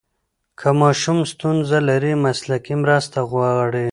که ماشوم ستونزه لري، مسلکي مرسته وغواړئ.